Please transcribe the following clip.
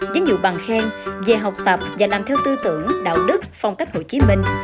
với nhiều bằng khen về học tập và làm theo tư tưởng đạo đức phong cách hồ chí minh